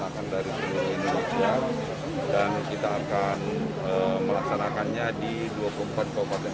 kita akan melaksanakan dari sini dan kita akan melaksanakan